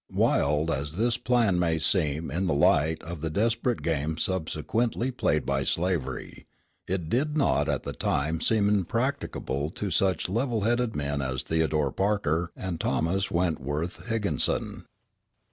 Wild as this plan may seem in the light of the desperate game subsequently played by slavery, it did not at the time seem impracticable to such level headed men as Theodore Parker and Thomas Wentworth Higginson.